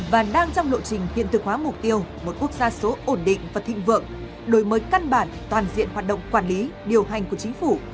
và đang trong lộ trình hiện thực hóa mục tiêu một quốc gia số ổn định và thịnh vượng đổi mới căn bản toàn diện hoạt động quản lý điều hành của chính phủ